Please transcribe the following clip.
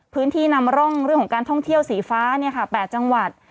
พื้นที่นำร่องเรื่องของการท่องเที่ยวสีฟ้า๘จังหวัด